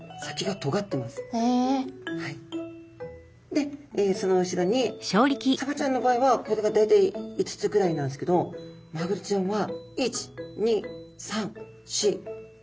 でその後ろにサバちゃんの場合はこれが大体５つくらいなんですけどマグロちゃんは１２３４５６７８９！